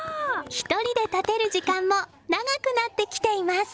１人で立てる時間も長くなってきています！